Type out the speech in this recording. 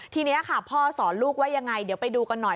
ทีนี้ค่ะพ่อสอนลูกว่ายังไงเดี๋ยวไปดูกันหน่อย